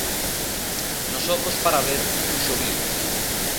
Nos ocos para ver, puxo vidro.